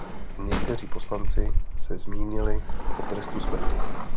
Někteří poslanci se zmínili o trestu smrti.